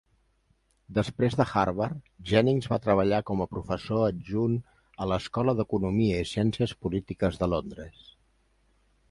Després de Harvard, Jennings va treballar com a professor adjunt a l'Escola d'Economia i Ciències Polítiques de Londres.